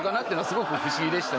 すごく不思議でした。